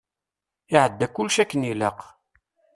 Iɛedda kullec akken ilaq.